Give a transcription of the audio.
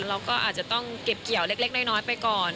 เราก็อาจจะต้องเก็บเกี่ยวเล็กน้อยไปก่อน